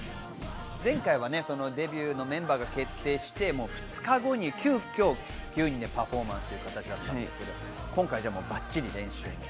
前回はデビューのメンバーが決定して２日後に急きょ、パフォーマンスという形だったので今回バッチリ練習を。